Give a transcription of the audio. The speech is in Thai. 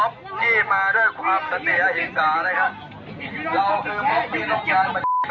เขาเรียกว่าพวกเราคือเศรษฐรมยุทธ